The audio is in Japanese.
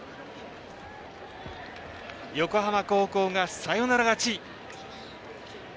横浜高校がサヨナラ勝ち。